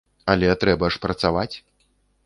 Але трэба ж працаваць!